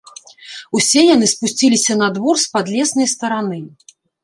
Усе яны спусціліся на двор з падлеснай стараны.